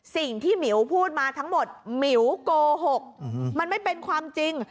หมิวพูดมาทั้งหมดหมิวโกหกมันไม่เป็นความจริง